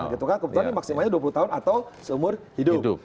kebetulan maksimalnya dua puluh tahun atau seumur hidup